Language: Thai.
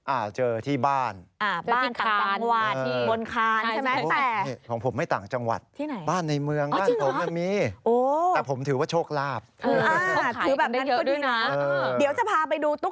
อ่าเจอที่บ้านอ่าบ้านต่างบนคานใช่ไหมแต่ของผมไม่ต่างจังหวัด